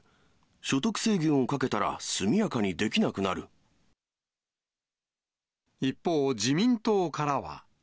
所得制限をかけたら、速やかにで一方、自民党からは。